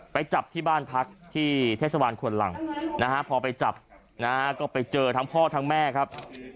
พอไปจับก็ไปเจอทั้งพ่อทั้งแม่ครับ